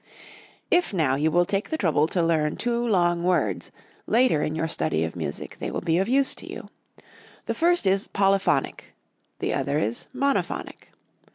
If now you will take the trouble to learn two long words, later in your study of music they will be of use to you. The first is Polyphonic; the other is Monophonic.